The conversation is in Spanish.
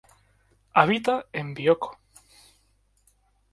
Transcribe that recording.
Habita en Bioko.